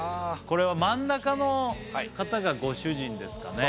これは真ん中の方がご主人ですかね